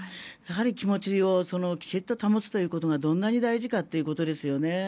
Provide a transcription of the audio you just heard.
やはり気持ちをきちんと保つということがどんなに大事かっていうことですよね。